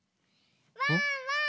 ワンワーン！